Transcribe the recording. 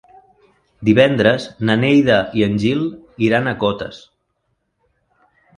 Divendres na Neida i en Gil iran a Cotes.